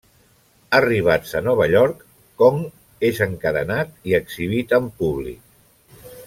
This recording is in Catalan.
Arribats a Nova York, Kong és encadenat i exhibit en públic.